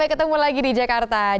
ketemu lagi di jakarta